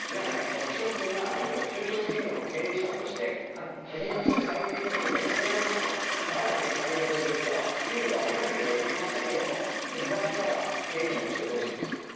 浮所君が例えば中小企業の経営者として国として最低賃金を引き上げますと新たに採用する人は給料を上げなければいけませんよと言われたら経営者としてどうします？